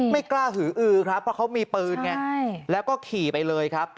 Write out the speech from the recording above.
ไม่กล้าหืออือครับเพราะเขามีปืนไงแล้วก็ขี่ไปเลยครับ